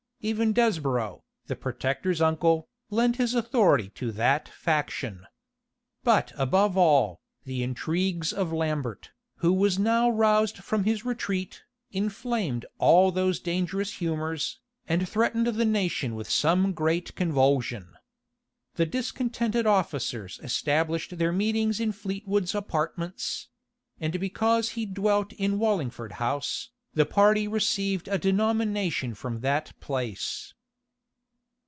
Even Desborow, the protector's uncle, lent his authority to that faction. But above all, the intrigues of Lambert, who was now roused from his retreat, inflamed all those dangerous humors, and threatened the nation with some great convulsion. The discontented officers established their meetings in Fleetwood's apartments; and because he dwelt in Wallingford House, the party received a denomination from that place.